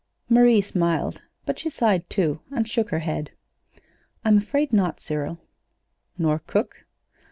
Marie smiled, but she sighed, too, and shook her head. "I'm afraid not, Cyril." "Nor cook?"